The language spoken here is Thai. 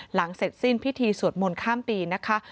หลังเสร็จสิ้นพิธีสวดมนต์ข้ามปีนะคะ